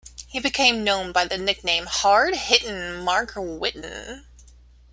He became known by the nickname "Hard-Hittin'" Mark Whiten.